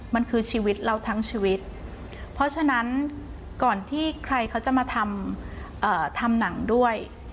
มันคือชีวิตเราทั้งชีวิตเพราะฉะนั้นก่อนที่ใครเขาจะมาทำหนังด้วย